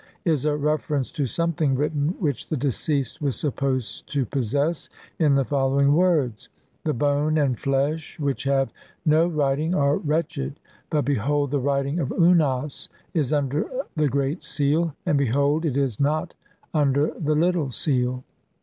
583) is a reference to something written which the deceased was supposed to possess, in the following words :— "The bone and flesh which have "no writing 1 are wretched, but, behold, the writing "of Unas is under the great seal, and behold, it is "not under the little seal."